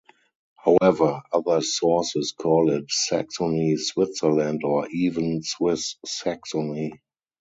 However other sources call it "Saxony Switzerland" or even "Swiss Saxony".